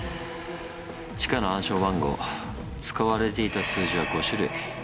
地下の暗証番号使われていた数字は５種類。